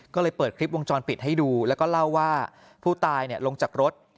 ก็เลยเปิดคลิปวงจรปิดให้ดูแล้วก็เล่าว่าผู้ตายลงจากรถ